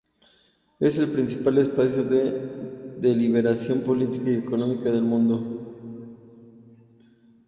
Es el principal espacio de deliberación política y económica del mundo.